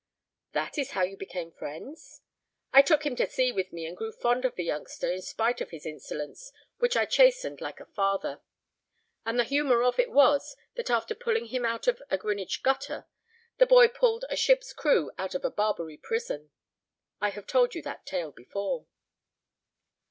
"That is how you became friends?" "I took him to sea with me, and grew fond of the youngster in spite of his insolence, which I chastened like a father. And the humor of it was that after pulling him out of a Greenwich gutter, the boy pulled a ship's crew out of a Barbary prison. I have told you that tale before."